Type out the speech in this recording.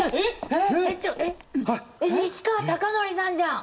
西川貴教さんじゃん！